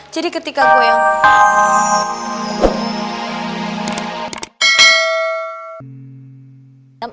jadi ketika gue yang